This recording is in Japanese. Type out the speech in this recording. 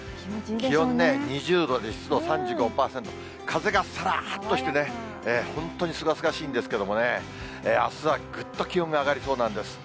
気温ね、２０度で、湿度３５％、風がさらっとしてね、本当にすがすがしいんですけどもね、あすはぐっと気温が上がりそうなんです。